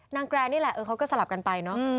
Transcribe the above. แกรนนี่แหละเขาก็สลับกันไปเนอะ